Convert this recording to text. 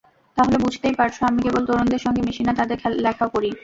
তাহলে বুঝতেই পারছ, আমি কেবল তরুণদের সঙ্গে মিশি না, তঁাদের লেখাও পড়ি।